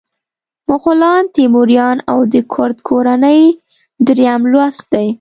مغولان، تیموریان او د کرت کورنۍ دریم لوست دی.